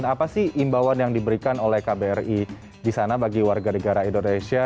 apa sih imbauan yang diberikan oleh kbri di sana bagi warga negara indonesia